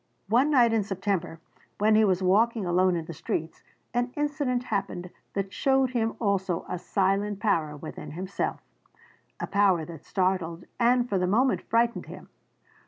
One night in September, when he was walking alone in the streets, an incident happened that showed him also a silent power within himself, a power that startled and for the moment frightened him.